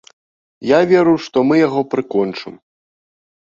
Я веру, што мы яго прыкончым.